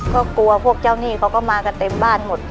ก็กลัวพวกเจ้าหนี้เขาก็มากันเต็มบ้านหมด